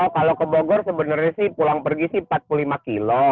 kalau ke bogor sebenarnya sih pulang pergi sih empat puluh lima kilo